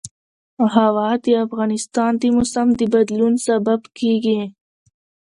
هوا د افغانستان د موسم د بدلون سبب کېږي.